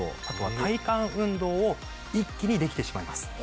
あとは体幹運動を一気にできてしまいます。